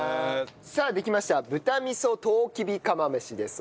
さあできました豚味噌とうきび釜飯です。